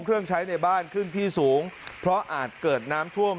เครื่องใช้ในบ้านขึ้นที่สูงเพราะอาจเกิดน้ำท่วม